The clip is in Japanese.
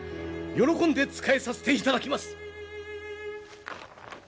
喜んで仕えさせていただきます！